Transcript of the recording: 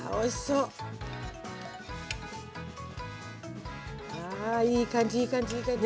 うわいい感じいい感じいい感じ。